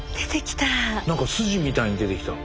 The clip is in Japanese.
何か筋みたいに出てきた。